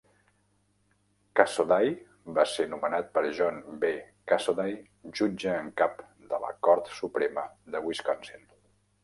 Cassoday va ser nomenat per John B. Cassoday, jutge en cap de la Cort Suprema de Wisconsin.